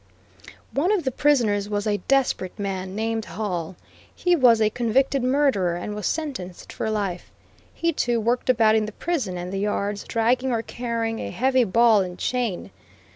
One of the prisoners was a desperate man, named Hall. He was a convicted murderer, and was sentenced for life. He too, worked about in the prison and the yards, dragging or carrying a heavy ball and chain.